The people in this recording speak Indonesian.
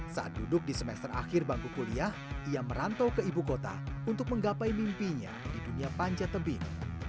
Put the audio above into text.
saat duduk di semester akhir bangku kuliah ia merantau ke ibu kota untuk menggapai mimpinya di dunia panjat tebing